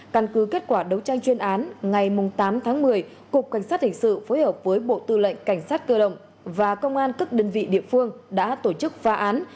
căn cứ kết quả đấu tranh chuyên án ngày tám tháng một mươi cục cảnh sát hình sự phối hợp với bộ tư lệnh cảnh sát cơ động và công an các đơn vị địa phương đã tổ chức phá án